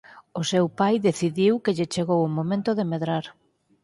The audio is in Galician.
O seu pai decidiu que lle chegou o momento de medrar.